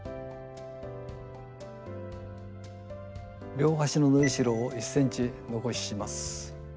両端の縫いしろを１ｃｍ残します。